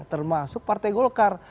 termasuk partai golkar